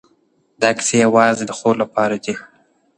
دا کيسې يوازې د خوب لپاره دي.